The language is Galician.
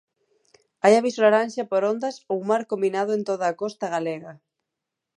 Hai aviso laranxa por ondas ou mar combinado en toda a costa galega.